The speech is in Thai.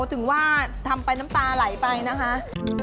ถึงว่าทำไปน้ำตาไหลไปนะคะ